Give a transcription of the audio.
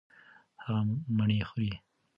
هغه مڼې خوري.